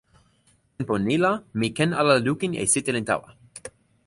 tenpo ni la mi ken ala lukin e sitelen tawa.